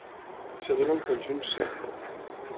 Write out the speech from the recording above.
Es dona un conjunt "C".